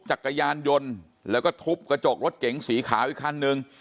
จากกวิธียานยนต์ลงแล้วก็ทุบกระจกรถเก๋งสีขาวอีกครั้งหนึ่ง